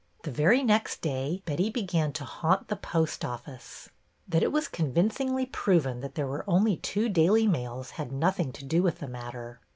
The very next day Betty began to haunt the post office. That it was convincingly proven that there were only two daily mails had nothing to do with the matter.